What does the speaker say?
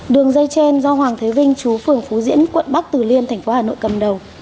đường dây trên do hoàng thế vinh chú phường phú diễn quận bắc từ liên tp hà nội cầm đầu